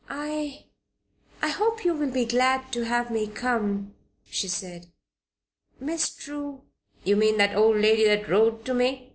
"I I hope you will be glad to have me come," the said. "Miss True " "You mean that old maid that wrote to me?"